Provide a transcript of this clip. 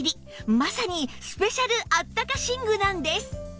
まさにスペシャルあったか寝具なんです